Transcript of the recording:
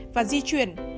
và di chuyển